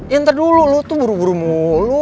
ya ntar dulu lo tuh buru buru mulu